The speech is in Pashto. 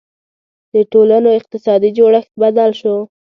• د ټولنو اقتصادي جوړښت بدل شو.